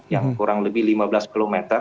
yang kurang lebih lima belas km